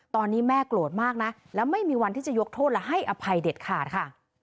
ตอนนี้แม่โกรธมากนะแล้วไม่มีวันที่จะยกโทษและให้อภัยเด็ดขาดค่ะ